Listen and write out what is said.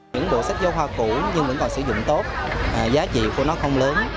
những bộ sách giáo khoa cũ nhưng vẫn còn sử dụng tốt giá trị của nó không lớn